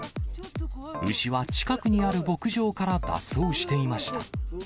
牛は近くにある牧場から脱走していました。